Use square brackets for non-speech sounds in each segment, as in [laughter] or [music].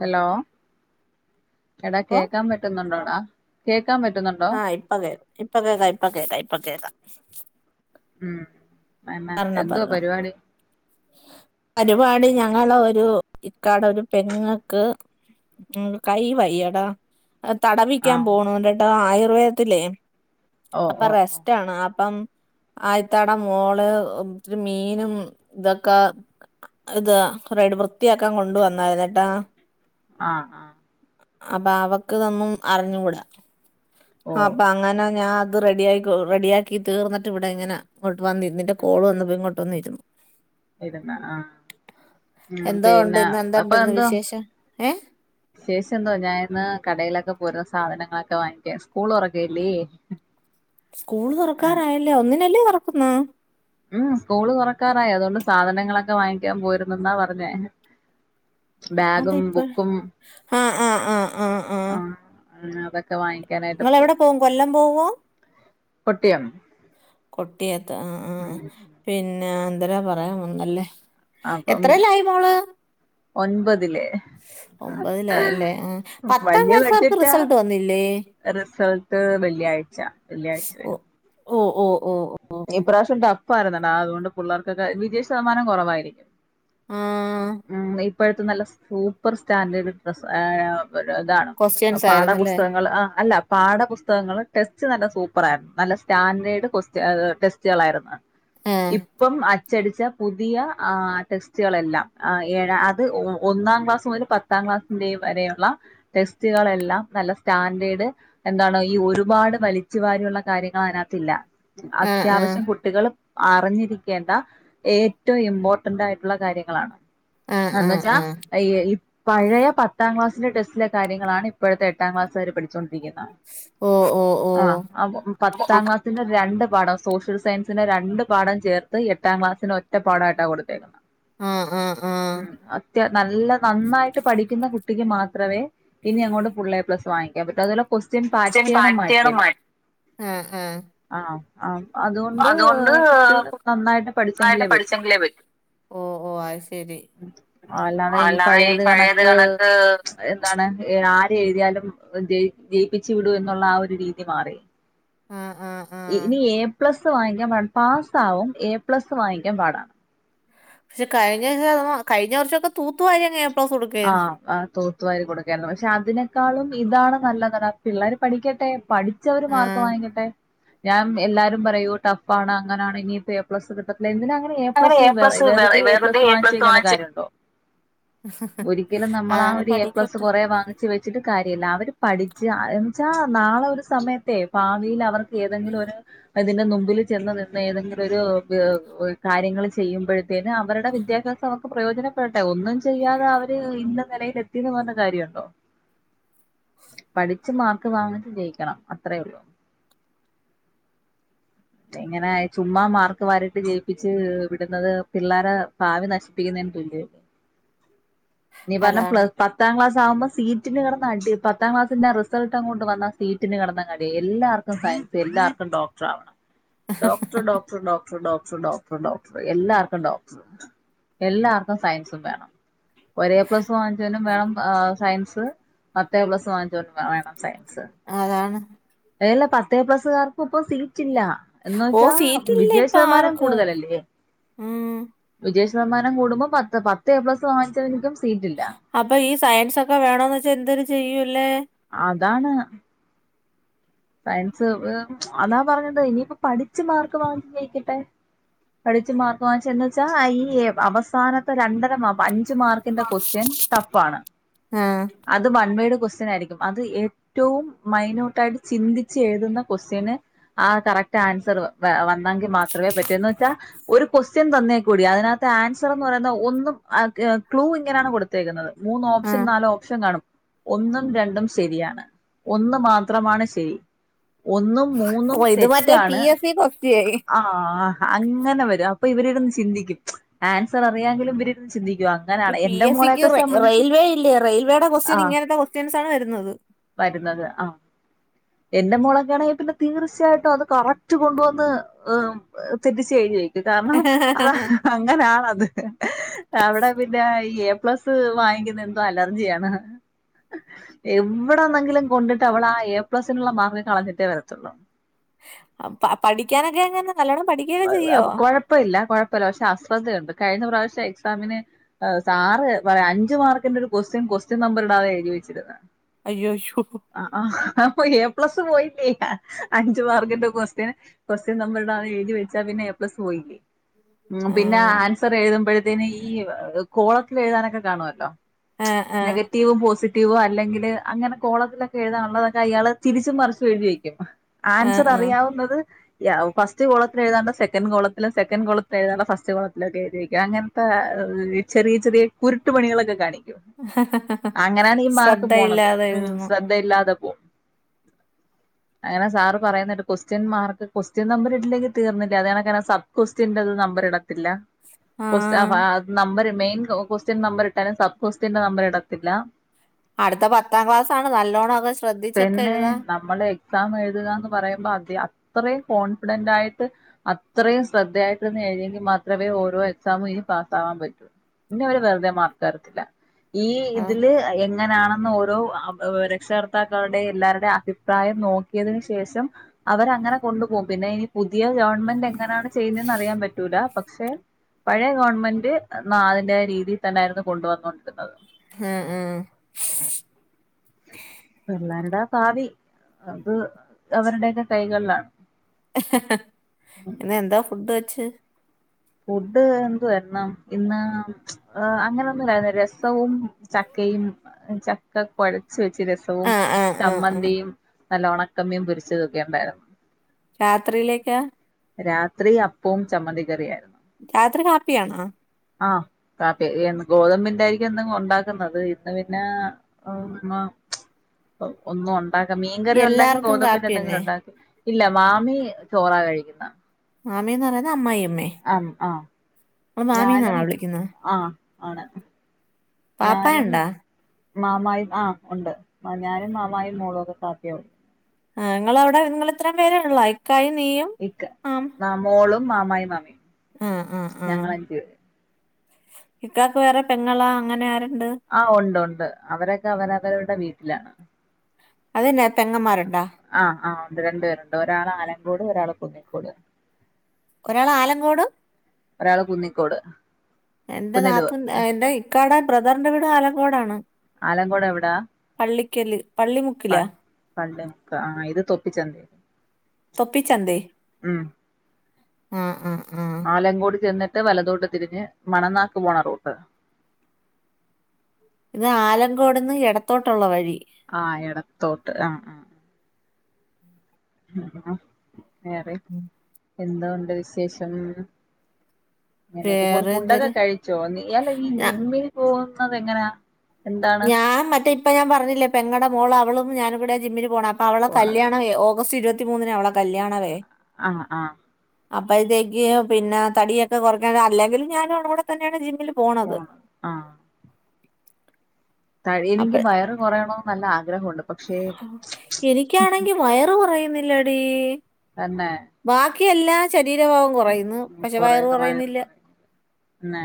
Hello എടാ കേക്കാൻ പറ്റ്ന്നുണ്ടോടാ കേ ആഹ് ഇപ്പൊ കേ ഇപ്പൊ കേക്കാം ഇപ്പൊ കേക്കാ ഇപ്പൊ കേക്കാം ഉം എന്നാ പറഞ്ഞോ എന്തുവാ പറഞ്ഞോ പരിപാടി പരിപാടി ഞ ഞങ്ങളൊരു ഇക്കാടെ ഒരു പെങ്ങക്ക് ഉം കൈ വയ്യടാ ആ തടവിക്കാ പോണ് ണ്ട്ട്ടാ ആയുർവേദത്തിലേ ഓ അപ്പൊ ഓ ഓ റെസ്റ്റ് ആണ് അപ്പം ആ യിത്താടെ മോള് ത്തിരി മീനും ഇതൊക്കെ ഇത് കുറേ വൃത്തിയാക്കാൻ കൊണ്ട വന്നായിരുന്നട്ടാ ആഹ് ആഹ് അപ്പൊ അവക്ക് ഇതൊന്നും അറിഞ്ഞുകൂടാ ഓ ആ അപ്പൊ അങ്ങനെ ഞാൻ അത് റെഡിയ റെഡിയാക്കി തീർന്നിട്ട് ഇവിടെ ഇങ്ങനെ- വന്നി നിന്റെ കോള് വന്നപ്പോ ഇങ്ങോട്ട്ന്ന ഇരുന്നു ഇതുന്ന ആ ഉം എന്തോ ഉണ്ട് പിന്നെ ഇന്ന് അപ്പ എന്താണ്ടായിരുന്നു എന്തോ വിശേഷം ഏ എന്തോ ഞൻ ഇന്ന് കടയിലൊക്കെ പോരുന്ന സാധനങ്ങളൊക്കെ വാങ്ങിക്ക സ്കൂൾ തുറക്കുവല്ലേ സ്കൂൾ തുറക്കാറായല്ലോ ഒന്നിന്നല്ലേ തൊറ- ശക്കുന്ന [unintelligible] ഉം സ്കൂള് തുറക്കാറായി അതുകൊണ്ട് സാധനങ്ങളൊക്കെ വാങ്ങിക്കാൻ പോയിരുന്ന ന്നാ പറഞ്ഞേ അത ബാഗും ഇപ്പൊ ബുക്കും ആഹ ആഹ് ആഹ് ആഹ് ആഹ് ആ [unintelligible] ഇങ്ങള് എവിടെ പോവും കൊല്ലം പോവോ കൊട്ടിയം കൊട്ടിയ ത്ത് അ ആഹ് പിന്നെ- എന്തരോ പറയാൻ വന്നല്ലേ അപ്പം എത്രേലായി മോള് ഒൻപതില് ഒമ്പതിലായല്ലേ ആ പത്താം വലിയ ക്ലാസ്സുകാർക്ക് ബഡ്ജറ്റാ റിസൾട്ട് വന്നില്ലേ റിസൾട്ട് വെള്ളിയാഴ്ച വെള്ളിയാഴ്ച ഓ വരും ഓ ഓ ഓ ഓ. ഇപ്രാവശ്യം ട ഡഫ്യിരുന്നെടാ അതുകൊണ്ട് പുള്ളേർക്കൊക്കെ വിജയ ശതമാനം കൊറവായിരിക്കും ആഹ് ഇപ്പോഴത്തെ നല്ല സൂപ്പർ സ്റ്റാൻഡേർഡ് ഡ്രസ്സ് ആയാം പ്പഴും അതാണ് ക്വസ്റ്റ്യൻസ് ആയിരുന്നല്ലേ പാഠപുസ്തകങ്ങൾ ആഹ് അല്ല പാഠപുസ്തകങ്ങള് ടെസ് സ് നല്ല സൂപ്പറായിരുന്നു നല്ല സ്റ്റാൻഡേർഡ് കൊ അതെ ടെസ്റ്റുകളായിരുന്ന ആ ഇപ്പം അ അച്ചടിച്ച പുതിയ ആ ടെസ്റ്റുകളെല്ല ഏഴ അത് ഒന്നാം ക്ലാസ് മുതൽ പത്താം ക്ലാസ്സിന്റെ വരെയുള്ള ടെസ്റ്റുകളെല്ലാം നല്ല സ്റ്റാൻഡേർഡ് എന്താണ് ഈ ഒരുപാട് വലിച്ചു വാരിയുള്ള കാര്യങ്ങൾ അതിനകത്തില്ല ആ ആ അത്യാവശ്യം കുട്ടികള്- അറിഞ്ഞിരിക്കേണ്ട ഏറ്റവും ഇമ്പോർട്ടന്റ് ആയിട്ടുള്ള കാര്യങ്ങളാണ് ആ ആ എന്ന് വെച്ചാ ആ ഈ പഴയ പത്താം ക്ലാസ് ന്റെടെസ്റ്റിലെ കാര്യങ്ങളാണ് ഇപ്പോഴത്തെ എട്ടാം ക്ലാസാര് പഠിച്ചുകൊ പടിച്ചോണ്ടിരിക്കുന്നെ ഓ ഓ ഓ ആഹ് അപ്പൊ പത്താം ക്ലാസ്സിന്റെ രണ്ട് സോഷ്യൽ സയൻസിന്റെ രണ്ട് പാഠം ചേർത്ത് എട്ടാം ക്ലാസ്സിന് ഒറ്റ പാഠായിട്ടാ കൊടുത്തേക്കുന്നത് ആ ആ ആ ഉം അത്യാ നല്ല നന്നായിട്ട് പഠിക്കുന്ന കു കുട്ടിക്ക് മാത്രവേ ഇനി അങ്ങോട്ട് ഫുൾള്ളേ പ്ലസ് വാങ്ങിക്കാൻ പറ്റു അതു കൊസ്റ്റ്യൻ പാറ്റേണും പാർട്ടിയാണ് മാറ്റിയല്ലോ മാ ആ ആ ആഹ് ആ അതുകൊണ്ട് കുട്ടികൾ നന്നായിട്ട് പഠിച്ചെങ്കിലേ പറ്റൂ ഓ ഓ അത് ശരി അല്ലാതെ ഈ പഴയത് കണക്ക് എന്താണ് ഇ എഴുതിയാലും ജയി ജയിപ്പിച്ചു വിടു എന്നുള്ള ആ ഒരു രീതി മാറി ആ ആ ആ ഇനി എ പ്ലസ് വാങ്ങിക്കാൻ പ പാസ്സാവും എ പ്ലസ്സ് വാങ്ങിക്കാൻ പാടാണ് പക്ഷെ കഴിഞ്ഞ [unintelligible] കഴിഞ്ഞ വർഷൊക്കെ തൂത്തു വാരിയങ്ങ് എ പ്ലസ് കൊടുക്കായിരുന്നു ആഹ് ആ തൂത്തുവാരി കൊടുക്കായിരുന്നു പക്ഷെ അതിനേക്കാളും ഇതാണ് നല്ലതട പിള്ളേര് പഠിക്കട്ടേ പഠിച്ചവര് ആ മാർക്ക് വാങ്ങിക്കട്ടെ ഞാം എല്ലാരും പറയും ടഫാണ് അങ്ങനാണ് ഇനിയിപ്പോ എ പ്ലസ് കിട്ട എന്തിനാങ്ങനെ എ പ്ലസ് വെ വെറുതെ എ പ്ലസ് വാങ്ങിച്ച് വെക്കേണ്ട കാര്യണ്ടോ ഒരിക്കലും നമ്മള് ആ അതാണ് ഒരു എ പ്ലസ് പഠിക്കട്ടെ കൊറേ വാങ്ങിച്ച് വെച്ചിട്ട് കാര്യല്ല അവര് പഠിച്ച് ന്ച്ചാ നാളെ ഒരു സമയത്തെ ഭാവിയിൽ അവർക്ക് ഏതെങ്കിലും ഒരു ഇതിന്റെ നുമ്പിൽ ചെന്ന് നിന്ന് ഏതെങ്കിലും ഒരു പ് ഒര് കാര്യങ്ങള് ചെയ്യുമ്പോഴത്തേന് അവരുടെ വിദ്യാഭ്യാസം അവർക്ക് പ്രയോജനപ്പെടട്ടെ ഒന്നും ചെയ്യാതെ അവര് ഇന്ന നിലയിൽ എത്തീന്ന് പറഞ്ഞ് കാര്യണ്ടോ പഠിച്ചു മാർക്ക് വാങ്ങിട്ട് ജയിക്കണം അത്രേയൊള്ളൂ എങ്ങനെ ചുമ്മാ മാർക്ക് വാരിട്ട് ജയിപ്പിച്ച് വിടുന്നത് പിള്ളേരെ ഭാവി നശിപ്പിക്കുന്നതിന് തുല്യേല്ലെ നീ പറഞ്ഞ പ്ല അതാണ് പത്താം ക്ലാസാകുമ്പോ സീറ്റിന് കട്ന്ന് അടി പത്താം ക്ലാസിന്റെ റിസൾട്ട് അങ്ങോട്ട് വന്നൽ സീറ്റിന് കടന്ന് അടീ എല്ലാർക്കും സയൻസ് എല്ലാർക്കും ഡോക്ടറാവണം doctor doctor doctor doctor doctor doctor എല്ലാർക്കും ഡോക്ടറ് എല്ലാർക്കും സയൻസും വേണം ഒരേപ്ലസ്സ് വാങ്ങിച്ചവനും വേണം സയൻസ് പത്തേഎപ്ലസ് വാങ്ങിച്ചോനും വേണം അതാണ് എല്ല പത്തേ എപ്ലസ്സുകാർക്കുപ്പൊ സീ റ്റില്ലാ ഓ എന്ന്വെച്ചാ സീറ്റില്ല വിജയ ഇപ്പൊ ശതമാനം ആർക്കും കൂടുതലല്ലേ ഉം വിജയ ശതമാനം കൂടുമ്പോൾ പത്ത് പത്ത് എപ്ലസ് വാങ്ങിച്ചവർക്കും അപ്പൊ ഈ സയൻസൊക്കെ വേണന്ന് വെച്ചാ എന്തരു ചെയ്യൂല്ലേ അതാണ് സയൻസ് അതാ പറഞ്ഞത് ഇനിയിപ്പോ പഠിച്ചു മാർക്ക് വാങ്ങി ജയിക്കട്ടെ പഠിച്ചു മാർക്ക് വാങ്ങിച്ച ന്ന്വച്ചാ ഐഈ അവസാനത്തെ രണ്ടര അഞ്ച്മാർക്കിന്റെ ക്വസ്റ്റ്യൻ ടഫാണ് ആ അത് വൺ വേഡ് ക്വസ്സനായിരിക്കും അത് ഏറ്റവും മൈനോട്ടായിട്ട് ചിന്തിച്ച് എഴുതുന്ന ക്വസ്റ്റ്യന് ആ കറക്റ്റ് ആൻസർ വ് വ വന്നെങ്കിൽ മാത്രമേ പറ്റൂന്ന് ച്ചാൽ ഒരു ക്വസ്റ്റ്യൻ തന്നേ കൂടി അതിനകത്ത് ആൻസറന്ന് പറയുന്ന ഒന്നും ആ ക് ക്ലൂ ഇങ്ങനെയാണ് കൊടുത്തേക്കുന്നത് മൂന്ന് ആ ഓപ്ഷൻ നാല് ഓപ്ഷൻ കാണും ഒന്നും രണ്ടും ശരിയാണ് ഒന്ന് മാത്രമാണ് ശ് ടി ഒന്നും മൂന്നും ഓ ഇത് മറ്റേ പി തെറ്റാണ് എസ് സി കൊസ്റ്റ്യൻ ആ അഅങ്ങനെ വരും അപ്പൊ ഇവരി രുന്ന് ചിന്തിക്കും ആൻസർ അറിയാങ്കിലും ഇവരിരുന്ന് ചിന്തിക്കും ഇ അങ്ങനാണ് പി എന്റെ എസ്സിക്ക് മോളെയൊക്കെ റൈ സംബന്ധിച്ച് റെയിൽവേ ഇല്ലേ റെയിൽവേടെ ആ കൊസ്റ്റ്യന് ഇങ്ങനത്തെ കൊസ്റ്റ്യൻസാണ് വരുന്നത് വരുന്നത് ആ എന്റെ മോളകാണെ പിന്നെ തീർച്ചയായിട്ടും അത് കറക്റ്റ് കൊണ്ടുവന്ന് എം തെറ്റിച്ചെഴുതിവെക്കും കാരണം അത് അങ്ങനാണത് അവിടെ പിന്നെ ഐ എ പ്ലസ് വാങ്ങിക്കുന്നെ എന്തോ അലർജിയാണ് എവിടെണെങ്കിലും കൊണ്ടിട്ട് അവള ആ എപ് പ്ലസിനുള്ള മാർക്ക് കളഞ്ഞിട്ടേ വരത്തുള്ളൂ അപ്പ പഠിക്കാനൊക്കെങ്ങനെ കൊഴപ്പല്ല കൊഴപ്പല്ല പക്ഷെ അശ്രദ്ധയുണ്ട് കഴിഞ്ഞ പ്രാവശ്യം എക്സാമിന് സാറ് പറയാ അഞ്ചുമാർക്കിന്റെ ഒരു ക്വസ്റ്റ്യൻ ക്വസ്റ്റ്യൻ നമ്പർ ഇടാതെ എഴുതിവെച്ചതെന്ന്. അയ്യോ അയ്യോ ആ ആഹ് അപ്പൊ പ്ലസ് പോയി [unintelligible] അഞ്ച് മാർക്കിന്റെ ക്വസ്റ്റ്യൻ ക്വസ്റ്റ്യൻ നമ്പറിടാതെ എഴുതി വെ ച്ചാ പിന്നെ എ പ്ലസ് പോയില്ലേ. ഉം ആ പിന്നെ ആൻസർ എഴുതുമ്പോഴത്തേന് ഈ ഈ കോളത്തിലെഴുതാനൊക്കെ കാണുവല്ലോ. ആ ആ നെഗറ്റീവും പോസിറ്റീ റ്റീവോ അല്ലെങ്കില് അങ്ങനെ കോളത്തിലൊക്കെ എഴുതാനുള്ളതൊക്കെ അയാള് തിരിച്ചും മറിച്ചും എഴുതി വയ്ക്കും. ആ ആൻസർ ആ അറിയാവുന്നത് യാവും ഫസ്റ്റ് കോളത്തി ലെഴുതെണ്ടേ സെക്കൻ്റ് കോളത്തിലും സെക്കൻഡ് കോളത്തിൽ എഴുതേണ്ടേ ഫസ്റ്റ് കോ ളത്തിലൊക്കെ എഴുതി വെക്കും. അങ്ങനത്തെ ചെറിയ ചെറിയ കുരുട്ടു പണികളൊക്കെ കാണിക്കും. അങ്ങനാണ് ഈ മാർക്ക് പോണത്. ശ്രദ്ധയില്ലാതെ ഉം. എഴുതുന്നു ശ്രദ്ധയില്ലാതെ പോവും. അങ്ങനെ സാറ് പറയുന്നെ കേട്ടു ക്വസ്റ്റ്യൻ മാർക്ക് ക്വസ്റ്റ്യൻ നമ്പർ ഇട്ടില്ലെങ്കിൽ തീർന്നില്ലേ. അതെ കണക്കിന് സബ്ക്വസ്റ്റിന്റത് നമ്പരിടത്തില്ല. ആ [unintelligible] നമ്പരിട് മെയിൻ കോ ക്വസ്റ്റൻ നമ്പരിട്ടാലും സബ് ക്വസ്റ്റ്യന്റെ നമ്പരിടത്തില്ല. അടുത്ത പത്താം ക്ലാസ് ആണ് നല്ലോണം ഒക്കെ ശ്രദ്ധിച്ചൊക്കെ പിന്നെ എഴുതാ നമ്മള് എക്സാം എഴുതുകാന്ന് പറയുമ്പോ അതി അത്രേം കോൺഫിഡന്റായിട്ട് അത്രയും ശ്രദ്ധയായിട്ടിരുന്നു എഴുതിയെങ്കിൽ മാത്രമേ ഓരോ എക്സാമും ഇനി പാസ് ആവാൻ പറ്റൂ. ഇനി അവര് വെറുതെ മാർക്ക് തരത്തില്ല. ഈ ആ ഇതില് എങ്ങനാണ് ന്ന് ഓരോ അ ഏ രക്ഷകർത്താക്കൾടെ എല്ലാരുടെ അഭിപ്രായം നോക്കിയതിന് ശേഷം അവരങ്ങനെ കൊണ്ടുപോഉം പിന്നെ ഇനി പുതിയ ഗവൺമെന്റ് എങ്ങനാണ് ചെയ്ന്നെന്ന് അറിയാൻ പറ്റൂല പക്ഷെ പഴയ ഗവൺമെന്റ് ന അതിന്റെയ രീതീ തന്നെആയിരുന്നു കൊണ്ടു വന്നോണ്ടിരുന്നത് അ അ പിള്ളേരുടെ ഭാവി അത് അവരുടെക്കെ കൈകൾലാണ് ഇന്നെന്താ ഫുഡ് വെച്ച്? ഫുഡ് എന്തുവാര്ന്നം ഇന്ന് അ അങ്ങനൊന്നു നേരെ രസവും ചക്കയും ചക്കകൊയ ച് വെച്ച് രസവും ആ ആ ആ ആ ച്ചമ്മന്തിയും നല്ല ഉണക്കമീൻമ്പൊരിച്ചതൊക്കെയു ണ്ടായിരുന്നു രാത്രിയിലേക്കാ? രാത്രി അപ്പവും ചമ്മന്തി കറിയായിരുന്നു രാത്രി കാപ്പിയാണോ? ആഹ് കാപ്പി ഇ എന്ന് ഗോതമ്പിന്റെ യിരിക്കും എന്തെങ്ക് ഉണ്ടാക്കുന്നത്. ഇന്ന് പിന്നേ [unintelligible] ഒന്നു പാക മീൻകറി ഉണ്ടെങ്കി എല്ലാവർക്കും ഗോതമ്പിന്റെ കാപ്പി എന്തെങ്കിലും തന്നെ ഉണ്ടാക് ഇല്ല മാമി ചോറാ കഴിക്കുന്നെ മാമീന്ന് പറയ്ന്നെ അമ്മായോ - അം അ പ്പൊ മാമീന്നാണാ വിളിക്കുന്നെ ആണ് പാപ്പായ ണ്ടാ മാമായിം ആഹ് ഉണ്ട് ഞാനും മാമായിം മോളും ഒക്കെ താത്തയാവും ആഹ് ഇങ്ങളവിടെ ഇങ്ങളിത്രേം പേരുള്ളൂ അയ് ഇക്ക വ മോളും മാമായും മാമിയും ആഹ് ആഹ് ആ ഞങ്ങളഞ്ചു പേര് ഇക്കാക്ക് വേറെ പെങ്ങളാ അങ്ങനെ ആരെ ആഹ് ഉണ്ട് ഉണ്ട് അവരൊക്കെ അവരവരുടെ വീട്ടിലാ അതെ ഞാ ആഹ് ആഹ് ണ്ട് രണ്ട് പേരുണ്ട് ഒരാളാലങ്കോട് ഒരാ [unintelligible] ഒരാളാലങ്കോടും ഒരാള് കുന്നിക്കോട് എന്താ പുനലൂർ നാത്തൂൻ എന്താ ഇക്കാടെ ബ്ര ദറിൻ്റെ വിട് ആലങ്കോടാണ് അലങ്കോടെവിടാ? പള്ളിക്കല് പ പള്ളിമുക്കിലാ പള്ളിമുക്ക് ആഹ് ഇത് തൊപ്പിചന്ത്‌ തൊപ്പിച്ചന്തേ ആ ആഹ് അഹ് അ ആലങ്കോട് ചെന്നിട്ട് വലത്തോട്ട് തിരിഞ്ഞ് മണനാക്ക് പോണ റൂട്ട് ഇത് ആലങ്കോട്ന്ന് ഏടത്തോട്ടൊള്ള വഴി ആഹ് എടത്തോട്ട് അ ആ അഹ് വേറെ ഉം. എന്തോണ്ട് വിശേഷം ഇങ്ങനെക്കെപോണ് വേറെ ഫുഡൊക്കെ എന്തര് കയ്ച്ചോ നിയാണ് ഈ ഞ ജിമ്മില് പോവ് അത് എങ്ങനെ ആ ഞാൻ മറ്റേ ഇപ്പ ഞാൻ പറഞ്ഞില്ലേ പെങ്ങടെ മോളാ ളും ഞാനും കൂടെ ജിമ്മിന് പോണെ അവളെ പോണത് കല്യാണവെ ഓഗസ്റ്റ് ഇരു മൂന്നിന അവളെ കല്യാണവേ അഹ് ആഹ് അപ്പഴ്ത്തേക്ക് പിന്നെ തടിയൊക്കെ കൊറക്കാൻ അല്ലേങ്കിലും ഞാനും അവളും കൂടെ തന്നാണ് ജിമ്മ് പോണ് അ താടിയെനിക്ക് അപ്പഴ് വയറ് കൊറയാണോന്ന് നല്ല ആഗ്രഹൊണ്ട് എനിക്കാണെങ്കി വയറ് പറയുന്നില്ലടി തന്നെ ക്കെല്ലാ [unintelligible] ശരീരഭാഗം കൊറയുന്ന് പക്ഷെ വയറ് കൊറയുന്നു കൊറയുന്നില്ല കൊറയുന്നു പിന്നെ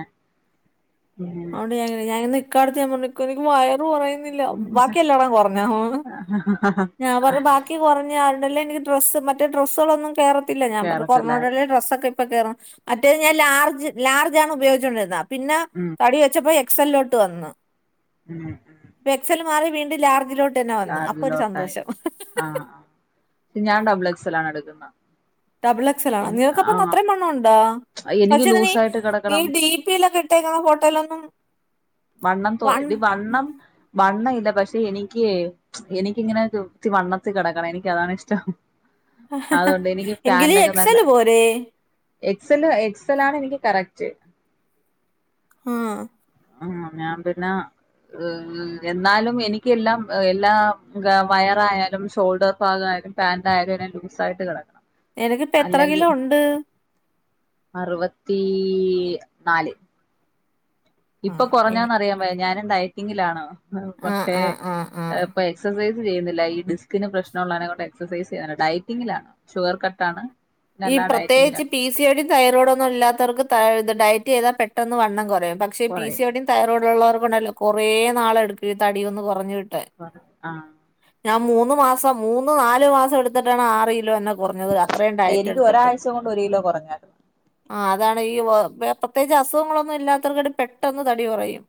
ഉം അതോണ്ട് ഞാനിങ്ങനെ ഞാ കാണിച്ചമ്ണ്ക്ക് നിക്ക് വയറ് കൊറയ് യ്ന്നില്ല ബാക്കി എല്ലാടോം കൊറഞ്ഞ ഹ ഞാൻ പറ ബാക്കി കൊറഞ്ഞ് യാര്ഡല്ല് എനിക്ക് ഡ്രസ്സ് മറ്റേ ഡ്രസ്സൊളൊന്നും കേറത്തില്ല ഞാൻ പറഞ്ഞ് കേറത്തില്ലായിരുന്നു കൊറെഞ്ഞോണ്ടാല്ലേ ഡ്രസ്സ് ഒക്കെ പ്പ കേറും മറ്റേത് ഞാൻ ലാർജ് ലാർജാണ് ഉപയോഗിച്ചോണ്ടിര്ന്നെ പിന്നെ തടി വെച്ചപ്പോ സെല്ലോട്ട് വന്ന് അ ഇപ്പൊ എക്സൽ മാറി വീണ്ടും ലാർജിലോ ലർജിലോട്ടായി ആഹ് ആ ഞാൻ ഡബ്ൾ എക് സലാണ് എടുക്കുന്നത് ഡബിൾ എക്സലോ എനിക്ക് നിനക്കപ്പ ആഹ് അത്രേം വണ്ണണ്ടോ എനിക്ക് പക്ഷെ [unintelligible] നി ലൂസായിട്ട് ഈ കിടക്കണം ഡിപി യിലൊക്കെ ഇട്ടേക്കണ ഫോട്ടോലൊന്നും വണ്ണം തോ വണ്ണം വണ്ണം ഇല പക്ഷെ എനിക്ക് എനിക്കിങ്ങനെ വണ്ണത്തി കിടക്കണം എനിക്ക് അതാണ് ഇഷ്ടം അതുകൊണ്ട് എനിക്ക് എങ്കില് എക്സല് പോരെ എക്സെല് എക്സെൽ ആണ് എനിക്ക് കറക്റ്റ് ആഹ് ആ ഞാൻ പിന്നെ എന്നാലും എനക്ക് എല്ലാം എല്ലാ വയറയാലും ഷോൾഡർ ഭാഗയാലും പാന്റായയാലും എല്ലാം ലൂസ് ആയിട്ട് കിടക്കണം എനക്കിപ്പോ എത്ര കിലോ അല്ലെങ്കിൽ ഉണ്ട് അറുപത്തി നാല് ആ ഇപ്പൊ എനി കുറഞ്ഞാന്ന് അറിയാൻ വയ്യ ഞാനെ ടയറ്റ് എങ്കിലാണോ ആ പക്ഷെ ആ ആ ആ പ്പോ എക്സർസൈസ് ചെയ്യുന്നില്ല ഈ ഡിസ്കിന് പ്രശ്നംള്ളെ എക്സൈസ് ഡയറ്റിങ്ങിലാണ്ണ് ഷുഗർ കട്ട് ആണ് ഈ പ്രത്യേകിച്ച് P C O D thyroid ഒന്നും ഇല്ലാത്തവർക്ക് ഡയറ്റ് ചെയതാ പെട്ടെന്ന് വണ്ണം കൊറയും പക്ഷേ പി സി കുറയും ഓ ടി തയാറോടുള്ളവർ ഇപ്പണ്ടല്ലൊ കൊറേ നാള എടുക്ക് ഈ തടിയൊന്ന് കൊറഞ്ഞിട്ട് ആഹ് ഞാൻ മൂന്ന് മാസം മൂന്ന് നാലു മാസം എടുത്തിട്ടാണ് ആറ് കിലോ എന്നെ കുറഞ്ഞത് അത്രയ്യും ഡയ ഇത് ഒരാഴ്ച കൊണ്ട് ഒരു കിലോ കൊറഞ്ഞാര്ന്നു ആ അതാണ് ഈ പ്രത്യേകിച്ച് അസുഖങ്ങളൊന്നും ഇല്ലാത്തവർക്ക്ട്ട്ട് പെട്ടെന്ന് തടി കൊറയും